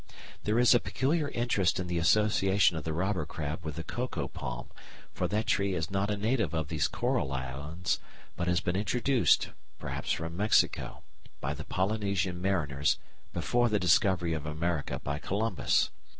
There is a peculiar interest in the association of the robber crab with the coco palm, for that tree is not a native of these coral islands, but has been introduced, perhaps from Mexico, by the Polynesian mariners before the discovery of America by Columbus.